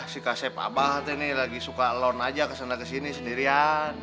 si kasep abah tuh nih lagi suka alone aja kesana kesini sendirian